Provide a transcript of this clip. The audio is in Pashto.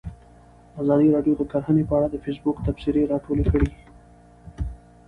ازادي راډیو د کرهنه په اړه د فیسبوک تبصرې راټولې کړي.